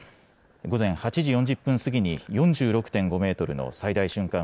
午前８時４０分過ぎに４６．５メートルの最大瞬間